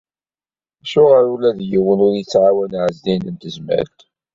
Acuɣer ula-d yiwen ur yettɛawan Ɛezdin n Tezmalt?